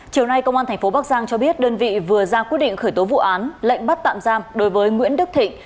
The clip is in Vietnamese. chiều nay công an tp bắc giang cho biết đơn vị vừa ra quyết định khởi tố vụ án lệnh bắt tạm giam đối với nguyễn đức thịnh